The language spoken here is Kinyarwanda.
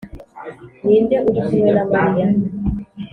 ninde uri kumwe na mariya?